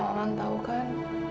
kamu tahu kan